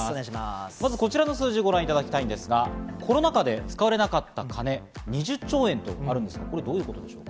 まずこちらの数字をご覧いただきたいんですが、コロナ禍で使われなかった金、２０兆円ってあるんですが、どういうことですか？